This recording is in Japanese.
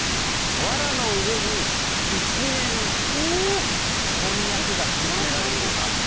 わらの上に一面、こんにゃくが敷き詰められています。